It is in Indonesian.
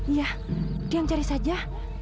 iya yang cari saja